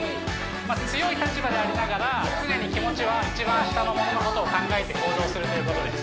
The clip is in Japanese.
強い立場でありながら常に気持ちは一番下の者のことを考えて行動するということです